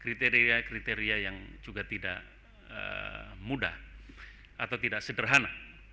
kriteria kriteria yang juga tidak mudah atau tidak sederhana